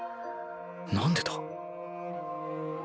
何でだ？